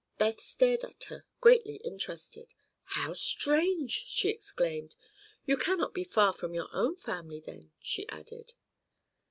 Beth stared at her, greatly interested. "How strange!" she exclaimed. "You cannot be far from your own family, then," she added.